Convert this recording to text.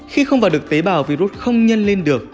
khi không vào được tế bào virus không nhân lên được